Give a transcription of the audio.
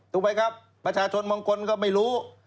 ถูกไหมครับประชาชนบางคนก็ไม่รู้